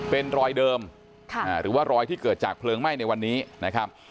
เป็นรอยเดิมหรือว่ารอยที่เกิดจากเพลิงไหม้ในวันนี้นะครับ